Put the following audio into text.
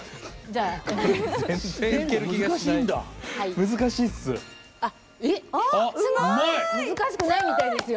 あっすごい！難しくないみたいですよ。